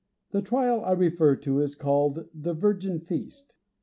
The trial I refer to is called the "Virgin Feast."